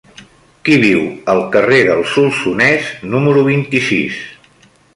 Qui viu al carrer del Solsonès número vint-i-sis?